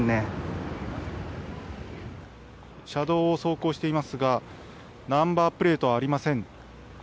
車道を走行していますがナンバープレートはありません。